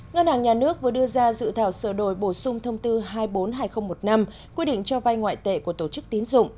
ngân hàng nhà nước vừa đưa ra dự thảo sở đổi bổ sung thông tư hai mươi bốn hai nghìn một mươi năm quy định cho vai ngoại tệ của tổ chức tín dụng